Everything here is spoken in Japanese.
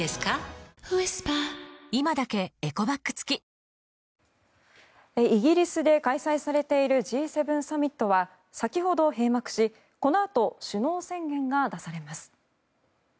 高齢化とか後継者の問題とかもイギリスで開催されているＧ７サミットは先ほど閉幕しこのあと首脳宣言が出されます。